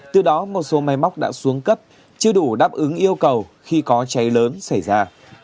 từ đó một số máy móc đã xuống cấp chưa đủ đáp ứng yêu cầu khi có cháy lớn xảy ra